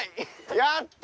やった！